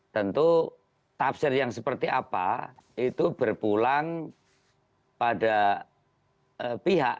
tentu tafsir yang seperti apa itu berpulang pada pihak